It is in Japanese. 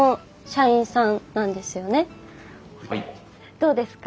どうですか？